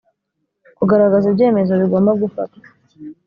kugaragaza ibyemezo bigomba gufatwa